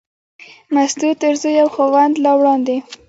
مستو تر زوی او خاوند لا وړاندې.